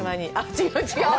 違う違う。